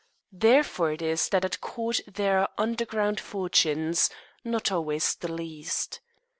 Therefore it is that at court there are underground fortunes not always the least.